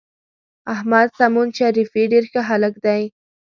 احمد سمون شریفي ډېر ښه هلک دی.